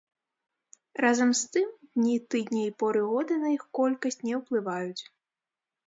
Разам з тым дні тыдня і поры года на іх колькасць не ўплываюць.